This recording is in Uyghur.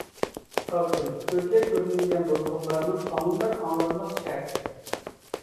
سالقىن، كۆزگە كۆرۈنمىگەن دولقۇنلارنىڭ ئاڭلىنار-ئاڭلانماس شەپىسى.